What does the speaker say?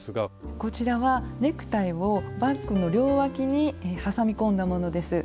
こちらはネクタイをバッグの両わきにはさみ込んだものです。